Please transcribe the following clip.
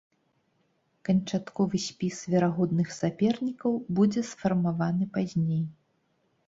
Канчатковы спіс верагодных сапернікаў будзе сфармаваны пазней.